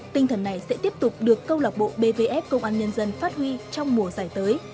tinh thần này sẽ tiếp tục được câu lạc bộ bvf công an nhân dân phát huy trong mùa giải tới